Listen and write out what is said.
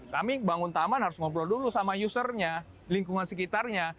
kami bangun taman harus ngobrol dulu sama usernya lingkungan sekitarnya